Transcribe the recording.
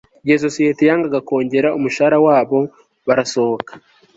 igihe isosiyete yangaga kongera umushahara wabo, barasohoka